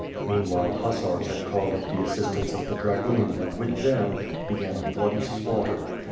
Meanwhile hussars had called up the assistance of the dragoons and with them, began a bloody slaughter.